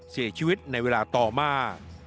เสียชีวิตในเวลาต่อมา